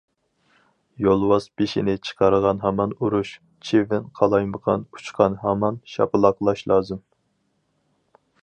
« يولۋاس» بېشىنى چىقارغان ھامان ئۇرۇش،« چىۋىن» قالايمىقان ئۇچقان ھامان شاپىلاقلاش لازىم.